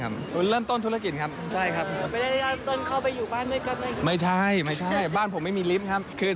ไม่ใช่บ้านผมไม่มีลิฟต์ครับ